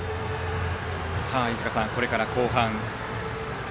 飯塚さん、これから後半。